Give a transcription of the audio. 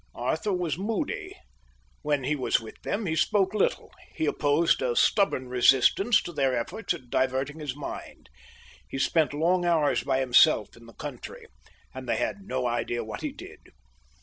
Arthur was moody. When he was with them, he spoke little; he opposed a stubborn resistance to their efforts at diverting his mind. He spent long hours by himself, in the country, and they had no idea what he did.